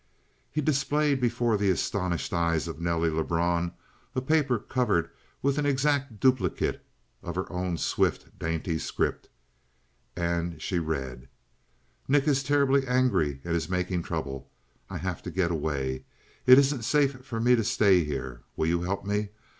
He displayed before the astonished eyes of Nelly Lebrun a paper covered with an exact duplicate of her own swift, dainty script. And she read: Nick is terribly angry and is making trouble. I have to get away. It isn't safe for me to stay here. Will you help me?